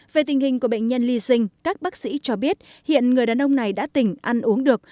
về tình hình của bệnh nhân li sinh các bác sĩ cho biết hiện người đàn ông này đã tỉnh ăn uống được